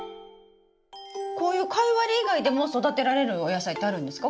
こういうカイワレ以外でも育てられるお野菜ってあるんですか？